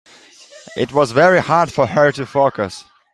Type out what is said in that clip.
It was very hard for her to focus.